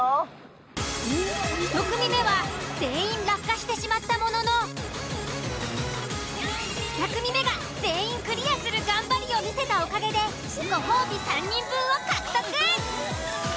１組目は全員落下してしまったものの２組目が全員クリアする頑張りを見せたおかげでご褒美３人分を獲得！